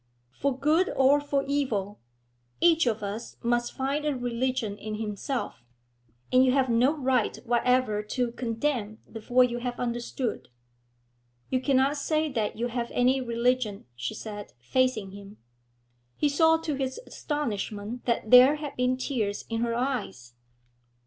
For good or for evil, each of us must find a religion in himself, and you have no right whatever to condemn before you have understood.' 'You cannot say that you have any religion,' she said, facing him. He saw to his astonishment that there had been tears in her eyes.